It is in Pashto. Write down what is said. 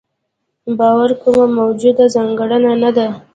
باور کومه موجوده ځانګړنه نه ده.